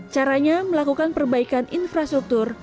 caranya melakukan perbaikan infrastruktur